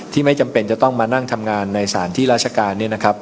ไม่จำเป็นจะต้องมานั่งทำงานในสารที่ราชการเนี่ยนะครับ